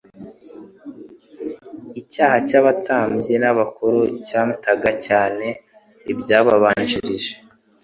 Icyaha cy'abatambyi n'abakuru cyamtaga cyane iby'abababanjirije.